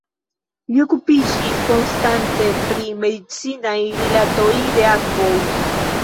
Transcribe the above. Li okupiĝis konstante pri medicinaj rilatoj de akvoj.